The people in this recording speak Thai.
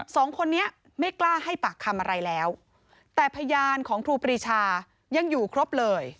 สองคนนี้ไม่กล้าให้ปากคำอะไรแล้วแต่พยานของครูปรีชายังอยู่ครบเลย